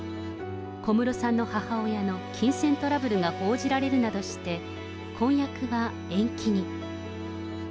小室さんの母親の金銭トラブルが報じられるなどして、婚約は延期に。